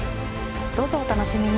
どうぞお楽しみに！